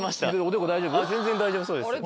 全然大丈夫そうです。